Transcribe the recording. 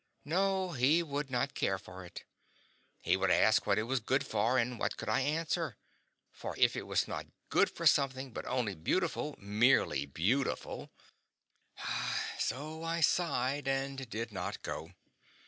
No he would not care for it. He would ask what it was good for, and what could I answer? for if it was not GOOD for something, but only beautiful, merely beautiful So I sighed, and did not go.